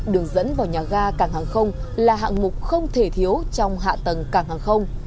đường dẫn vào nhà ga cảng hàng không là hạng mục không thể thiếu trong hạ tầng cảng hàng không